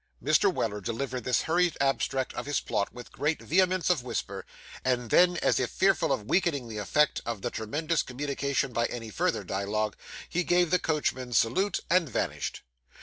Mr. Weller delivered this hurried abstract of his plot with great vehemence of whisper; and then, as if fearful of weakening the effect of the tremendous communication by any further dialogue, he gave the coachman's salute, and vanished.